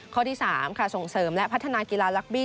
ข้อที่๓ค่ะส่งเสริมและพัฒนากีฬาลักบี้